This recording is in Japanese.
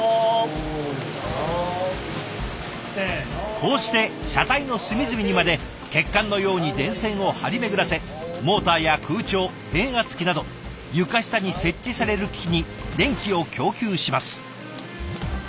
こうして車体の隅々にまで血管のように電線を張り巡らせモーターや空調変圧器など床下に設置される機器に電気を供給します。